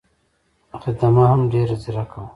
خدمه هم ډېره ځیرکه وه.